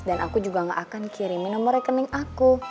dan aku juga gak akan kirimin nomor rekening aku